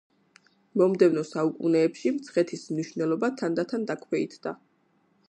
მომდევნო საუკუნეებში მცხეთის მნიშვნელობა თანდათან დაქვეითდა.